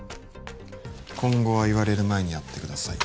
今後は言われる前にやってください